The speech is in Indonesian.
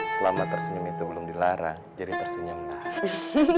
selama tersenyum itu belum dilarang jadi tersenyumlah